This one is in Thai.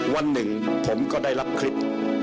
วันหนึ่งผมก็ได้รับคลิป